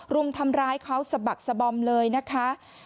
รุมทำร้ายเขาสะบักสะบอมเลยนะคะ